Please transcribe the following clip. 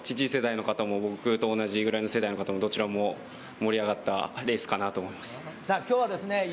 父世代の方も僕と同じくらいの世代の方も、どちらも盛り上がったレースかなって思います。